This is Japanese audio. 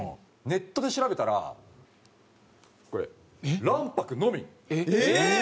ネットで調べたらこれ卵白のみ。